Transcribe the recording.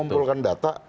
kok mengumpulkan data